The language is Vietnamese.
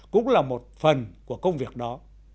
cũng là một phần của công việc đó